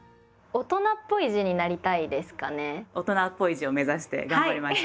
大人っぽい字を目指して頑張りましょう。